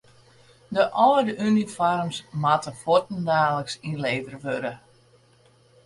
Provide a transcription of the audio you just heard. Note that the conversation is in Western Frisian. De âlde unifoarms moatte fuortdaliks ynlevere wurde.